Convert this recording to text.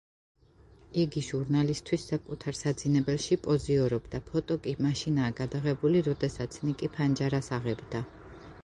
იგი ჟურნალისათვის საკუთარ საძინებელში პოზიორობდა, ფოტო კი მაშინაა გადაღებული, როდესაც ნიკი ფანჯარას აღებდა.